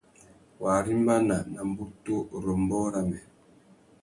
Wa arimbana nà mbutu râ ambōh râmê.